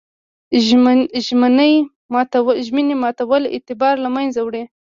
ژمنې ماتول اعتبار له منځه وړي.